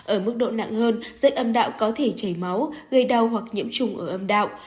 ở mức độ nặng hơn rất âm đạo có thể chảy máu gây đau hoặc nhiễm trùng ở âm đạo